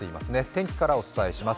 天気からお伝えします。